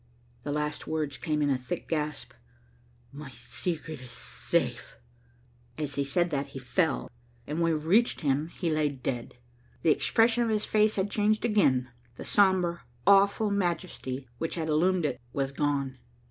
The last words came in a thick gasp, "My secret is safe." As he said that, he fell, and when we reached him he lay dead. The expression of his face had changed again. The sombre, awful majesty which had illumined it was gone.